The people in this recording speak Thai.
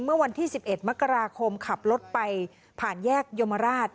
เมื่อวันที่๑๑มกราคมขับรถไปผ่านแยกยมราช